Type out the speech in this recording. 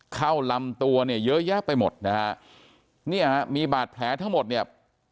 ลำตัวเนี่ยเยอะแยะไปหมดนะฮะเนี่ยฮะมีบาดแผลทั้งหมดเนี่ย